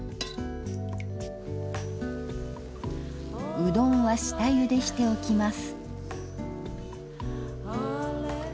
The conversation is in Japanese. うどんは下ゆでしておきます。